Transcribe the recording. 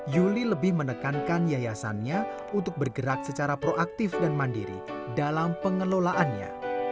yuli lebih menekankan yayasannya untuk bergerak secara proaktif dan mandiri dalam pengelolaannya